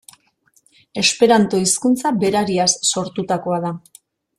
Esperanto hizkuntza berariaz sortutakoa da.